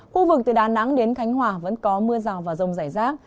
khu vực từ đà nẵng đến khánh hòa vẫn có mưa rào và rông rải rác